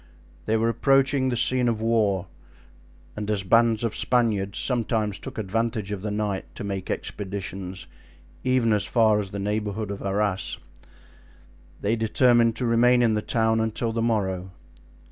They were approaching the scene of war; and as bands of Spaniards sometimes took advantage of the night to make expeditions even as far as the neighborhood of Arras, they determined to remain in the town until the morrow.